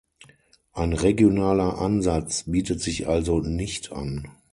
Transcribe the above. Ein regionaler Ansatz bietet sich also nicht an.